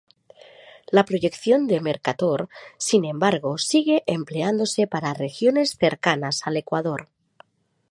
La proyección de Mercator, sin embargo, sigue empleándose para regiones cercanas al ecuador.